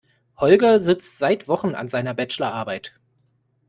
Holger sitzt seit Wochen an seiner Bachelor Arbeit.